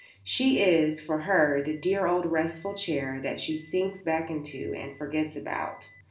She is, for her, the dear old restful chair that she sinks back into and forgets about.